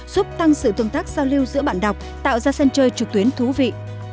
giúp tăng sự tương tác giao lưu giữa bạn đọc tạo ra sân chơi trực tuyến thú vị